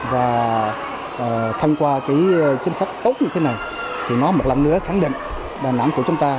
và thông qua chính sách tốt như thế này thì nó một lần nữa khẳng định đà nẵng của chúng ta